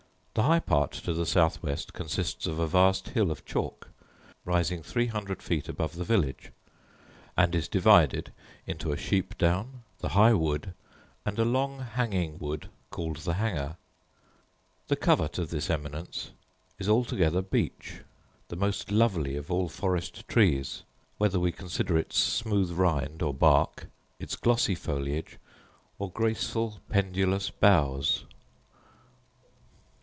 The high part to the south west consists of a vast hill of chalk, rising three hundred feet above the village; and is divided into a sheep down, the high wood, and a long hanging wood called the Hanger. The covert of this eminence is altogether beech, the most lovely of all forest trees, whether we consider its smooth rind or bark, its glossy foliage, or graceful pendulous boughs.